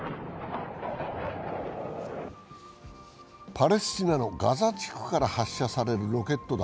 パレスチナのガザ地区から発射されるロケット弾。